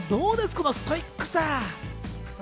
このストイックさ。